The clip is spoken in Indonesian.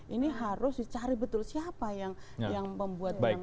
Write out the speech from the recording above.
ini harus dicari betul siapa yang membuat dengan heroik